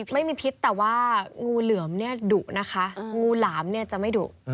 ไม่มีพิษแต่ว่างูเหลืองดุงูหลามจะไม่ดุ